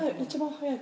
早い。